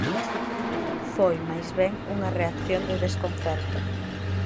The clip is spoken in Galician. Foi máis ben unha reacción de desconcerto.